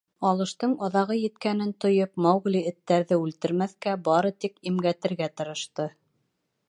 Алыштың аҙағы еткәнен тойоп, Маугли эттәрҙе үлтермәҫкә, бары тик имгәтергә тырышты.